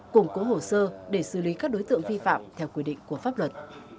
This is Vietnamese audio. củng cố hồ sơ để xử lý các đối tượng vi phạm theo quy định của pháp luật